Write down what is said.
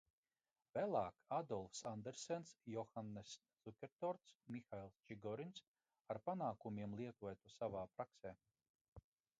Vēlāk, Ādolfs Andersens, Johanness Cukertorts, Mihails Čigorins ar panākumiem lietoja to savā praksē.